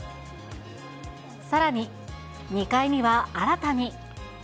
さらに、２階には新たに。